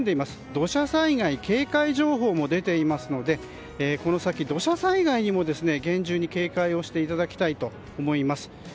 土砂災害警戒情報も出ていますのでこの先、土砂災害にも厳重に警戒をしていただきたいと思います。